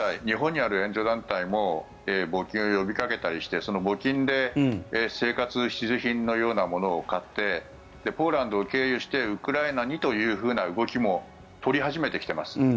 日本にある援助団体も募金を呼びかけたりしてその募金で生活必需品のようなものを買ってポーランドを経由してウクライナにというふうな動きも取り始めてきています。